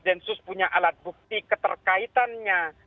densus punya alat bukti keterkaitannya